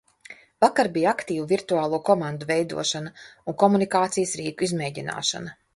Vakar bija aktīva virtuālo komandu veidošana un komunikācijas rīku izmēģināšana.